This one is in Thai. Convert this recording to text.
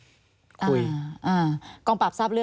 แล้วมันก็สุ่มเสี่ยงพอสมควร